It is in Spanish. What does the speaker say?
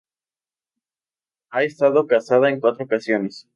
Ha estado casada en cuatro ocasiones.